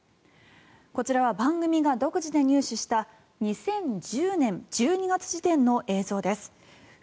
こちらは番組が独自で入手した２０１０年１２月時点の映像です。